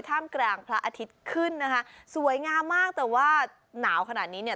ท่ามกลางพระอาทิตย์ขึ้นนะคะสวยงามมากแต่ว่าหนาวขนาดนี้เนี่ย